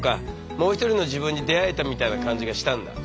もう一人の自分に出会えたみたいな感じがしたんだ。